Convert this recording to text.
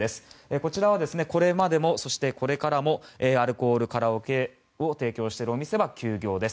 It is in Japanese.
こちらはこれまでもそしてこれからもアルコール、カラオケを提供しているお店は休業です。